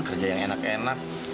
kerja yang enak enaknya ini ya